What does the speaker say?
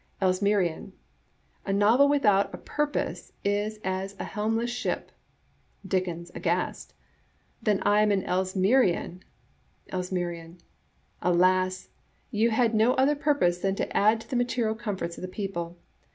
Elstnerian, —" A novel without a purpose is as a helm less ship." Dickens {aghastV — "Then I am an Elsmerian!" Elstnerian, — "Alas! you had no other purpose than to add to the material comforts of the people.